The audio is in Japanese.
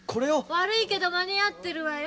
悪いけど間に合ってるわよ。